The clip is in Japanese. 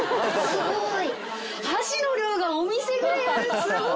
すごい！